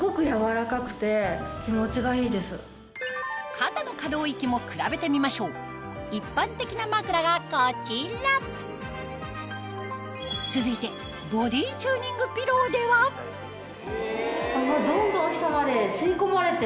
肩の可動域も比べてみましょう一般的な枕がこちら続いてボディーチューニングピローではどんどん下まで吸い込まれて。